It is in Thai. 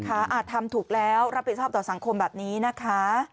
อาจทำถูกแล้วรับผิดชอบต่อสังคมแบบนี้นะคะ